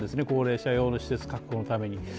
高齢者用の施設確保のために。